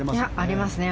ありますね